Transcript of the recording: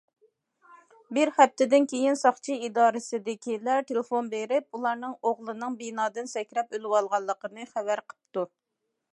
بىر ھەپتىدىن كېيىن ساقچى ئىدارىسىدىكىلەر تېلېفون بېرىپ، ئۇلارنىڭ ئوغلىنىڭ بىنادىن سەكرەپ ئۆلۈۋالغانلىقىنى خەۋەر قىپتۇ.